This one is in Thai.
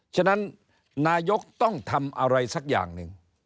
ฉะนั้นนายกต้องทำอะไรสักอย่างหนึ่ง